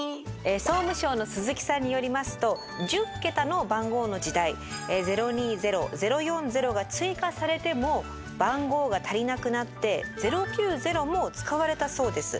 総務省の鈴木さんによりますと１０桁の番号の時代「０２０」「０４０」が追加されても番号が足りなくなって「０９０」も使われたそうです。